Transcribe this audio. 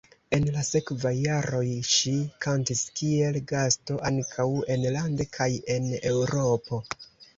En la sekvaj jaroj ŝi kantis kiel gasto ankaŭ enlande kaj en Eŭropo.